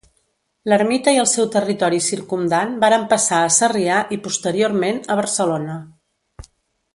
L'ermita i el seu territori circumdant varen passar a Sarrià i posteriorment a Barcelona.